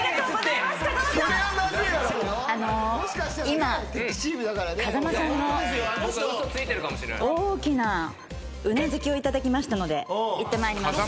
今風間さんの大きなうなずきをいただきましたので行ってまいります。